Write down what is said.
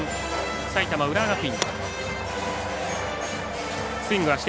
埼玉、浦和学院。